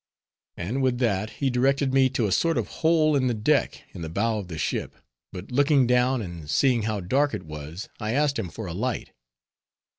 And with that he directed me to a sort of hole in the deck in the bow of the ship; but looking down, and seeing how dark it was, I asked him for a light.